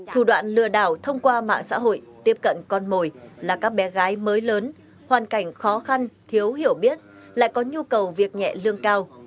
thủ đoạn lừa đảo thông qua mạng xã hội tiếp cận con mồi là các bé gái mới lớn hoàn cảnh khó khăn thiếu hiểu biết lại có nhu cầu việc nhẹ lương cao